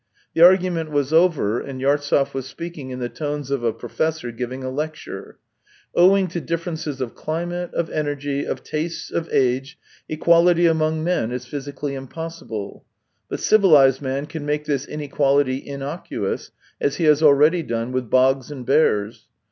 The argument was over and Yartsev was speaking in the tones of a professor giving a lecture :" Owing to differences of cUmate, of energy, of tastes, of age, equality among men is physically impossible. But civilized man can make this inequality innocuous, as he has already done with bogs and bears.